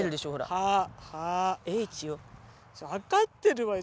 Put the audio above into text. Ｈよ分かってるわよ